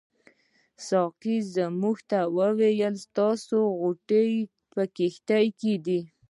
ساقي موږ ته وویل ستاسې غوټې په کښتۍ کې دي.